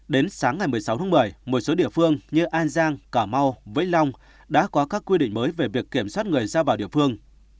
đến sáng ngày một mươi sáu tháng một mươi một số địa phương như an giang cà mau vĩnh long đã có các quy định mới về việc kiểm soát người ra vào địa phương